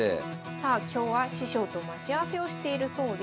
さあ今日は師匠と待ち合わせをしているそうです。